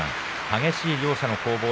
激しい両者の攻防